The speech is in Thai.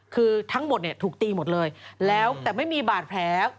คือทั้งหมดเนี่ยถูกตีหมดเลยแล้วแต่ไม่มีบาดแผล